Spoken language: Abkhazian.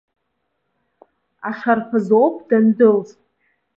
Ашарԥазоуп дандәылҵ.